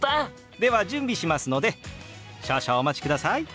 では準備しますので少々お待ちください。